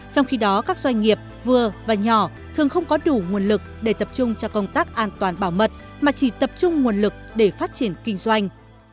trong khi đó các doanh nghiệp vừa và nhỏ thường không có đủ nguồn lực để tập trung cho công tác an toàn bảo mật mà chỉ tập trung nguồn lực để phát triển kinh doanh